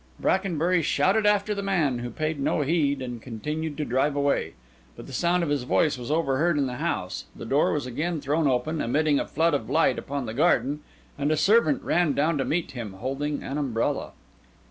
Brackenbury shouted after the man, who paid no heed, and continued to drive away; but the sound of his voice was overheard in the house, the door was again thrown open, emitting a flood of light upon the garden, and a servant ran down to meet him holding an umbrella.